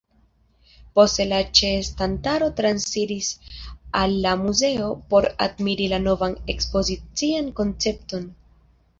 Poste la ĉeestantaro transiris al la muzeo por admiri la novan ekspozician koncepton.